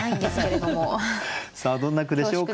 どんな句でしょうか？